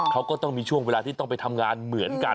เขาก็ต้องมีช่วงเวลาที่ต้องไปทำงานเหมือนกัน